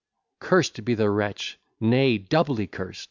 IV Curst be the wretch! nay, doubly curst!